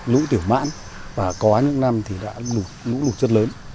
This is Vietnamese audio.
lũ tiểu mãn và có hàng năm thì đã lũ lụt rất lớn